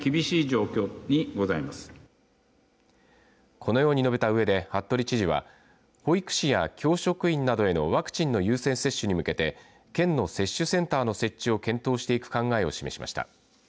このように述べたうえで服部知事は保育士や教職員などへのワクチンの優先接種に向けて県の接種センターの設置を検討していく考えを示しました。